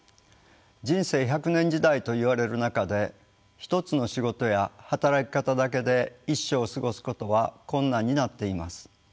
人生１００年時代といわれる中で一つの仕事や働き方だけで一生を過ごすことは困難になっています。